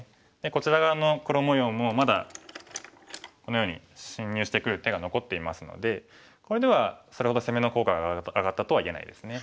こちら側の黒模様もまだこのように侵入してくる手が残っていますのでこれではそれほど攻めの効果が上がったとは言えないですね。